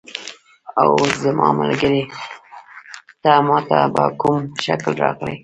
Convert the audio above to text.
اوه زما ملګری، ته ما ته په کوم شکل راغلې؟